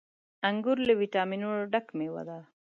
• انګور له ويټامينونو ډک مېوه ده.